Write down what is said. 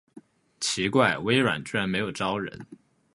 奇怪，微软居然没有招人